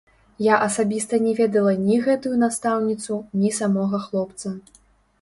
Я асабіста не ведала ні гэтую настаўніцу, ні самога хлопца.